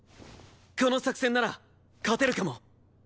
この作戦なら勝てるかも！